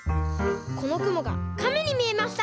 このくもがカメにみえました！